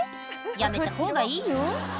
やめたほうがいいよ